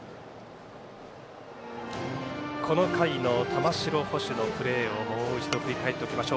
この回の玉城捕手のプレーをもう一度振り返ります。